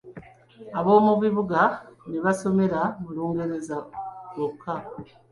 Ab'omu bibuga ne basomera mu Lungereza lwokka.